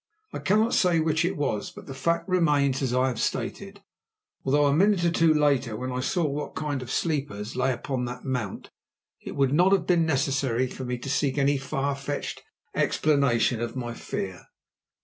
I cannot say which it was, but the fact remains as I have stated, although a minute or two later, when I saw what kind of sleepers lay upon that mount, it would not have been necessary for me to seek any far fetched explanation of my fear.